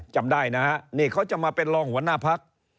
จำได้นะฮะนี่เขาจะมาเป็นรองหัวหน้าพัก